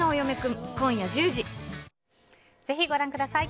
ぜひご覧ください。